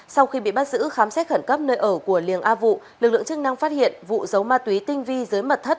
sau khi bị bắt giữ khám xét khẩn cấp nơi ở của liêng a vụ lực lượng chức năng phát hiện vụ giấu ma túy tinh vi dưới mật thất